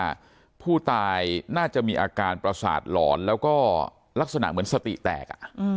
ว่าผู้ตายน่าจะมีอาการประสาทหลอนแล้วก็ลักษณะเหมือนสติแตก